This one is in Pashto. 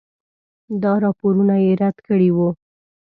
دا راپورونه یې رد کړي وو.